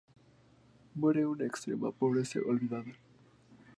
Muere en extrema pobreza, olvidada.